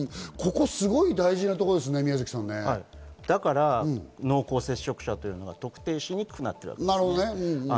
ここ、すごく大事なところでだから濃厚接触者というのは、特定しにくくなってるんですね。